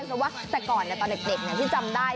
แต่ว่าแต่ก่อนในตอนเด็กที่จำได้